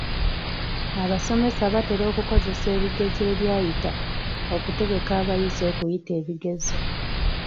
Abasomesa batera okukozesa ebigezo ebyayita okutegeka abayizi okuyita ebigezo.